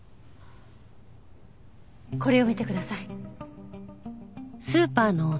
これを見てください。